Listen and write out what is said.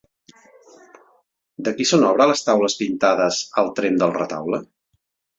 De qui són obra les taules pintades al tremp del retaule?